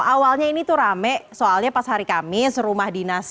awalnya ini tuh rame soalnya pas hari kamis rumah dinas